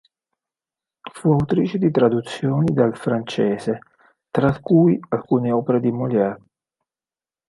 Fu autrice di traduzioni dal francese, tra cui alcune opere di Molière.